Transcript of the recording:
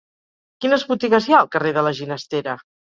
Quines botigues hi ha al carrer de la Ginestera?